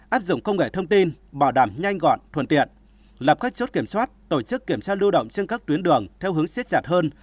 áp dụng công nghệ thông tin bảo đảm nhanh gọn thuận tiện lập các chốt kiểm soát tổ chức kiểm tra lưu động trên các tuyến đường theo hướng xích chặt hơn